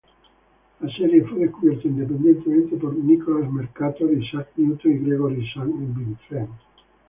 La serie fue descubierta, independientemente por Nicholas Mercator, Isaac Newton y Gregory Saint-Vincent.